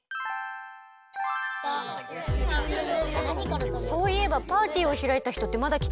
そういえばパーティーをひらいたひとってまだきてないよね？